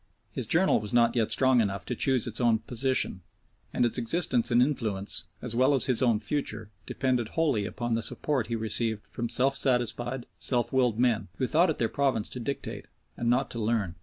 His journal was not yet strong enough to choose its own position, and its existence and influence, as well as his own future, depended wholly upon the support he received from self satisfied, self willed men, who thought it their province to dictate and not to learn.